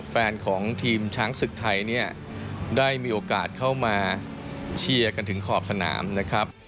แฟนของทีมช้างศึกไทยเนี่ยได้มีโอกาสเข้ามาเชียร์กันถึงขอบสนามนะครับ